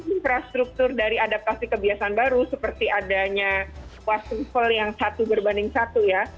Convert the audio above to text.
infrastruktur dari adaptasi kebiasaan baru seperti adanya wastemfel yang satu berbanding satu ya